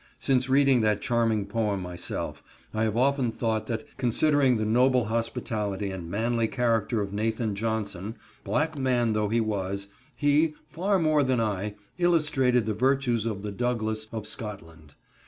Since reading that charming poem myself, I have often thought that, considering the noble hospitality and manly character of Nathan Johnson—black man though he was—he, far more than I, illustrated the virtues of the Douglas of Scotland.